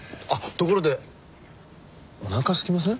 ところでおなかすきません？